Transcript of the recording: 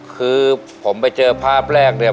คือผมไปเจอภาพแรกเนี่ย